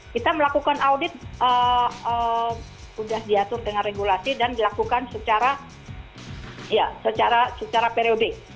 kita melakukan audit sudah diatur dengan regulasi dan dilakukan secara periodik